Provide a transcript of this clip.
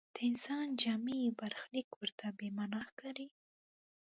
د انسان جمعي برخلیک ورته بې معنا ښکاري.